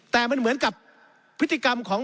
แต่มันเหมือนกับพฤติกรรมของ